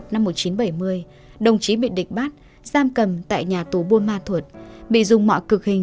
năm một nghìn chín trăm bảy mươi đồng chí bị địch bắt giam cầm tại nhà tù buôn ma thuột bị dùng mọi cực hình